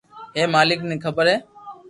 ھي مالڪ ني خبر ھي